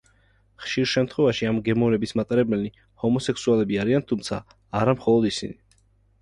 ხშირ შემთხვევაში, ამ გემოვნების მატარებელნი ჰომოსექსუალები არიან, თუმცა არა მხოლოდ ისინი.